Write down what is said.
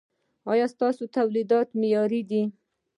ایا ستاسو تولیدات معیاري دي؟